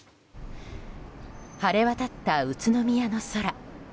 晴れ渡った宇都宮の空。